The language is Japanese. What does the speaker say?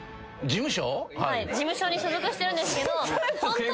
事務所に所属してるんですけどホントに。